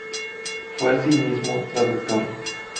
Fue, asimismo, traductor.